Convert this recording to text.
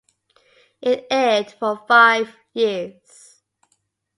It aired for five years.